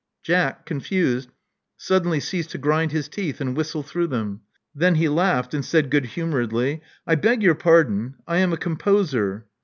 Jack, confused, suddenly ceased to grind his teeth and whistle through them. Then he laug^hed and said good humoredly, '*I beg your pardon: I am a composer."